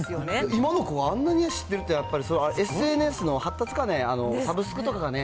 今の子、あんなに知ってるって、やっぱりＳＮＳの発達かね、サブすくとかかね。